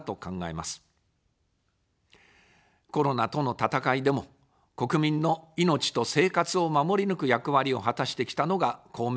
コロナとの闘いでも、国民の命と生活を守り抜く役割を果たしてきたのが公明党です。